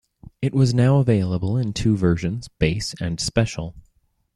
It was now available in two versions, base and Special.